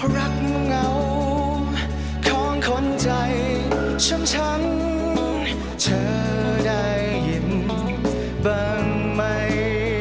เหงาของคนใจช้ำเธอได้ยินบ้างไหม